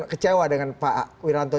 kecewa dengan pak wiranto